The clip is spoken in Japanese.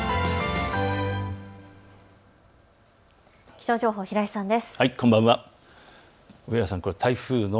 気象情報、平井さんです。